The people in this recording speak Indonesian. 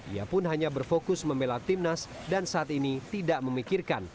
ia pun hanya berfokus memelat tim nasional dan saat ini tidak memikirkan